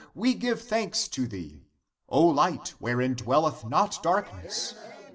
We give thanks to thee, Light wherein dwelleth not darkness. Amen.